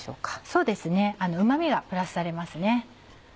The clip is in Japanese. そうですねうま味がプラスされます。